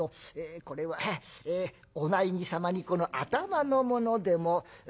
これはええお内儀様にこの頭の物でも。